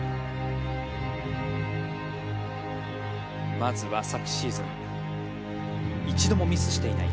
まずは昨シーズン一度もミスしていない